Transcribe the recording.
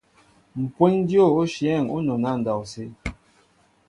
Mpweŋ dyô nshyɛέŋ nɔnɛɛ andɔwsé.